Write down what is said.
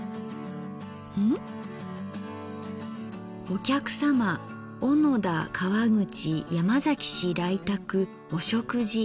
「お客さま小野田河口山崎氏来宅お食事」。